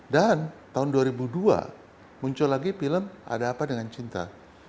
dan tahun dua ribu dua muncul lagi film ada apa dengan cinta